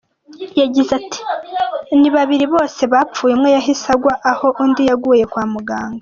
Yagize ati “Ni babiri bose bapfuye, umwe yahise agwa aho undi yaguye kwa muganga.